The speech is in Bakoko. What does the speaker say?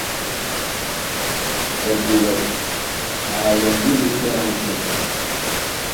Edukɛ a lɛ ngili kɛ a nsɔn.